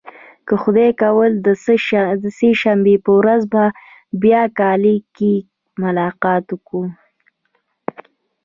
که خدای کول د سه شنبې په ورځ به بیا کالم کې ملاقات کوو.